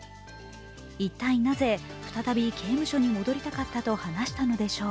一体なぜ再び刑務所に戻りたかったと話していたのでしょう。